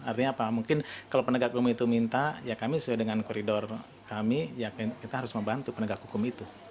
artinya apa mungkin kalau penegak hukum itu minta ya kami sesuai dengan koridor kami ya kita harus membantu penegak hukum itu